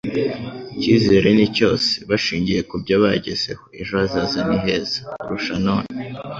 Ikizere ni cyose bashingiye ku byo bagezeho, ejo hazaza ni heza kurusha none.